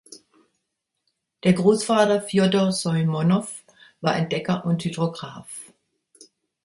Der Großvater Fjodor Soimonow war Entdecker und Hydrograph.